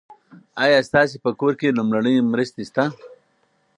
ایا ستاسي په کور کې لومړنۍ مرستې شته؟